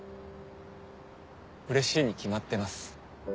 うれしいに決まってます。